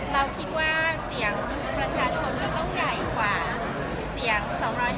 เราคิดว่าเสียงประชาชนจะกว่าเสียง๒๕๒หน่อย